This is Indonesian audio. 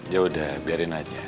ya udah biarin aja